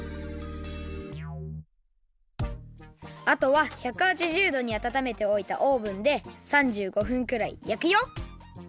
あとは１８０どにあたためておいたオーブンで３５分くらいやくよ。